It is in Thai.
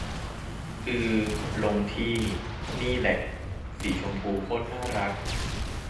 อือ ลงที่ นี่แหละ สีชมพูโคตรน่ารัก